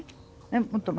もっと前？